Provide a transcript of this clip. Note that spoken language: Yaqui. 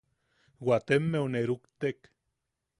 Waatemmeu ne ruktek.